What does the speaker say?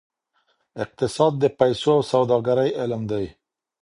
اقتصاد د پیسو او سوداګرۍ علم دی.